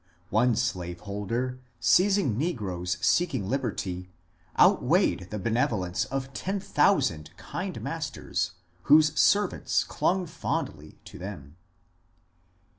One slaveholder seizing negroes seeking liberty outweighed the benevolence of ten thousand kind masters whose servants clung fondly to them.